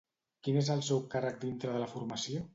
Quin és el seu càrrec dintre de la formació?